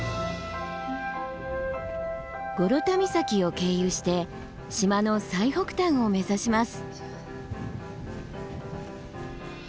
ゴロタ岬を経由して島の最北端を目指します。